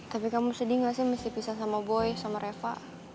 tapi kamu sedih gak sih mesti pisah sama boy sama reva